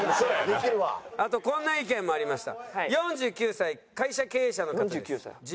あとこんな意見もありました。